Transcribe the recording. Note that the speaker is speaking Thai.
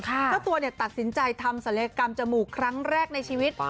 เจ้าตัวตัดสินใจทำศัลยกรรมจมูกครั้งแรกในชีวิต